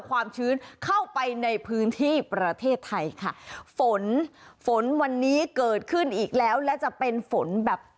ความชื้นเข้าไปในพื้นที่ประเทศไทยค่ะฝนฝนวันนี้เกิดขึ้นอีกแล้วและจะเป็นฝนแบบ